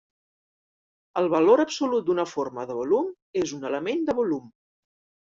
El valor absolut d'una forma de volum és un element de volum.